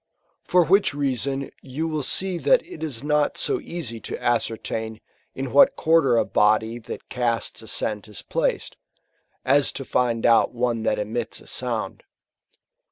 For which reason you will see that it is not so easy to ascertain in what quarter a body that casts a scent is placed, as to^ndoutane that emits a sound.